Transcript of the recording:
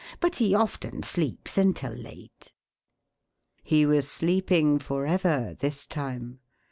But he often sleeps until late." He was sleeping forever this time.